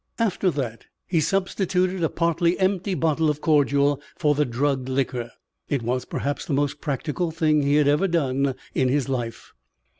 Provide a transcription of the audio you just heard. After that he substituted a partly empty bottle of cordial for the drugged liquor. It was, perhaps, the most practical thing he had ever done in his life.